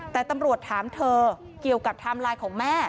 แต่ตำรวจถามเธอเกี่ยวกับไทม์ไลน์ของแม่